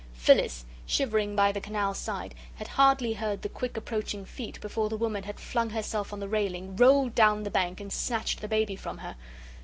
Phyllis, shivering by the canal side, had hardly heard the quick approaching feet before the woman had flung herself on the railing, rolled down the bank, and snatched the baby from her.